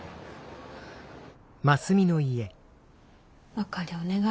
あかりお願い。